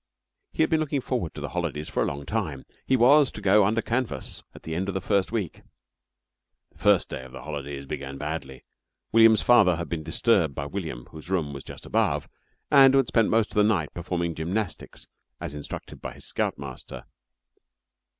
He had been looking forward to the holidays for a long time. He was to "go under canvas" at the end of the first week. The first day of the holidays began badly. William's father had been disturbed by William, whose room was just above and who had spent most of the night performing gymnastics as instructed by his scout master.